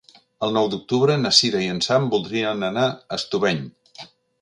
El nou d'octubre na Cira i en Sam voldrien anar a Estubeny.